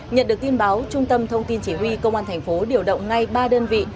nhận được tin báo trung tâm thông tin chỉ huy công an thành phố điều động ngay ba đơn vị